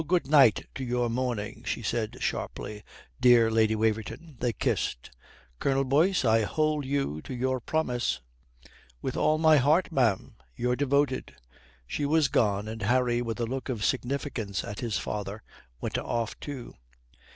"A good night to your mourning," she said sharply, "dear Lady Waverton." They kissed. "Colonel Boyce, I hold you to your promise." "With all my heart, ma'am. Your devoted." She was gone, and Harry, with a look of significance at his father, went off too....